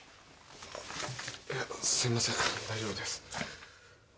いやすみません大丈夫です